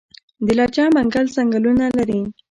د لجه منګل ځنګلونه لري